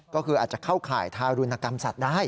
ก็คืออาจจะเข้าข่ายทารุณกรรมสัตว์ได้